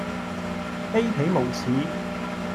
卑鄙無恥